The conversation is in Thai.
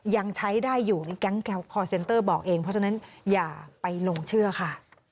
ยังใช้ได้อยู่ในแก๊งคอร์เซ็นเตอร์บอกเองเพราะฉะนั้นอย่าไปลงเชื่อค่ะ